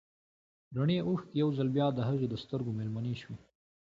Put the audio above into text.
رڼې اوښکې يو ځل بيا د هغې د سترګو مېلمنې شوې.